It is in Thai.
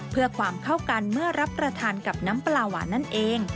เพื่อความเข้ากันเมื่อรับประทานกับน้ำปลาหวานนั่นเอง